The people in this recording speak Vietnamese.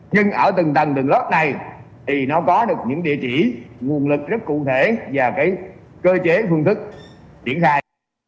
nhưng ở từng tầng từng lớp này thì nó có được những địa chỉ nguồn lực rất cụ thể và cái cơ chế phương thức triển khai